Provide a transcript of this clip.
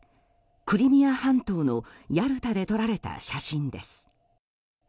クリミア半島のヤルタで撮られた写真です。